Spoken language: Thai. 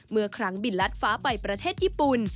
เมื่อครั้งบินลัดฟ้าไปประเทศญี่ปุ่น